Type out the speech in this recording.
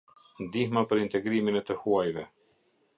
Ndihma për integrimin e të huajve.